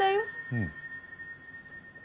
うん。